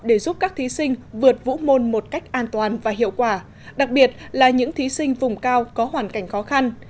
để giúp các thí sinh vượt vũ môn một cách an toàn và hiệu quả đặc biệt là những thí sinh vùng cao có hoàn cảnh khó khăn